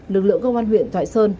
lực lượng công an huyện thoại sơn